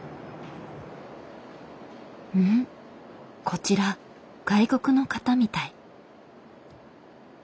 こちら外国の方みたい。